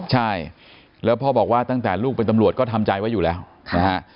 ใช่แล้วพ่อบอกว่าตั้งแต่ลูกเป็นตำรวจก็ทำใจไว้อยู่แล้วนะฮะ